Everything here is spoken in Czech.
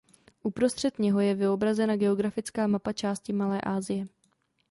Uprostřed něho je vyobrazena geografická mapa části Malé Asie.